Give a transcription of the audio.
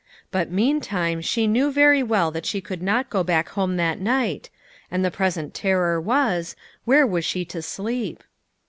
But meantime she knew very well that she could not go back home that night, and the present terror was, where was she to sleep